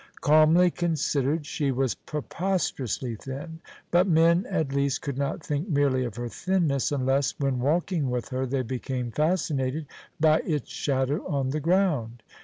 Calmly considered, she was preposterously thin, but men, at least, could not think merely of her thinness, unless, when walking with her, they became fascinated by its shadow on the ground.